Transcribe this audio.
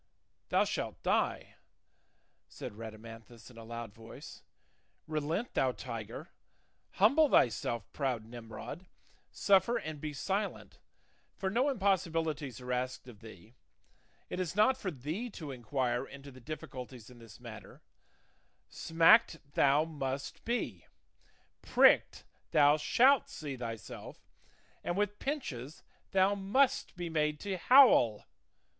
'" "Thou shalt die," said Rhadamanthus in a loud voice; "relent, thou tiger; humble thyself, proud Nimrod; suffer and be silent, for no impossibilities are asked of thee; it is not for thee to inquire into the difficulties in this matter; smacked thou must be, pricked thou shalt see thyself, and with pinches thou must be made to howl.